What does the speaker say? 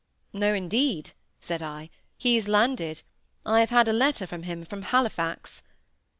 "No, indeed," said I, "he's landed. I have had a letter from him from Halifax."